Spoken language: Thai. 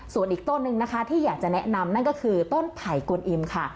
ส่วนอีกต้นนึงนะคะที่อยากจะแนะนำนั่นก็คือต้นไผ่กวนอิมค่ะ